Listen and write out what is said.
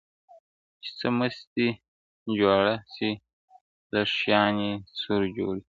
چي څه مستې جوړه سي لږه شانې سور جوړ سي~